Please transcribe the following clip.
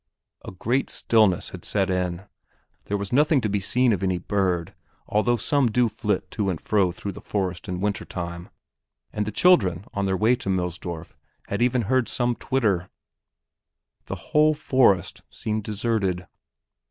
A great stillness had set in. There was nothing to be seen of any bird although some do flit to and fro through the forest in winter time and the children on their way to Millsdorf had even heard some twitter. The whole forest seemed deserted.